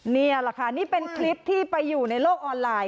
นี่แหละค่ะนี่เป็นคลิปที่ไปอยู่ในโลกออนไลน์